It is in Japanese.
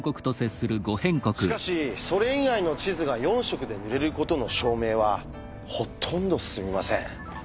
しかしそれ以外の地図が４色で塗れることの証明はほとんど進みません。